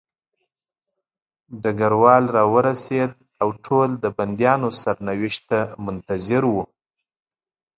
ډګروال راورسېد او ټول د بندیانو سرنوشت ته منتظر وو